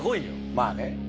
「まあね」